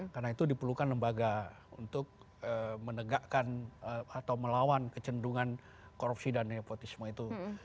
karena itu diperlukan lembaga untuk menegakkan atau melawan kecendungan korupsi dan nepotisme itu